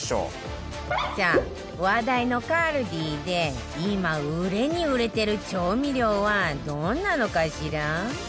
さあ話題の ＫＡＬＤＩ で今売れに売れてる調味料はどんなのかしら？